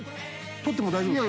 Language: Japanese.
採っても大丈夫ですか？